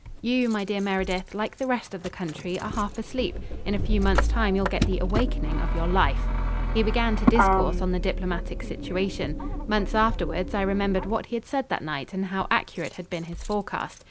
"You, my dear Meredyth, like the rest of the country, are half asleep. In a few months' time you'll get the awakening of your life." He began to discourse on the diplomatic situation. Months afterwards I remembered what he had said that night and how accurate had been his forecast.